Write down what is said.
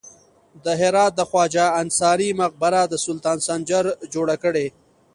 د هرات د خواجه انصاري مقبره د سلطان سنجر جوړه کړې